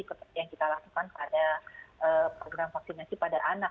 seperti yang kita lakukan pada program vaksinasi pada anak